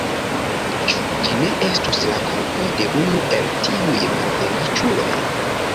Ĉu ĝi ne estus la korpo de unu el tiuj malfeliĉuloj?